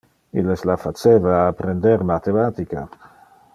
Illes la faceva apprender mathematica.